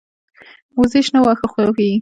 وزې شنه واښه خوښوي